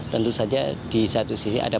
tentu saja di satu sisi ada